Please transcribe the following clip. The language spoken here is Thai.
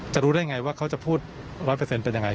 รู้ได้ไงว่าเขาจะพูด๑๐๐เป็นยังไง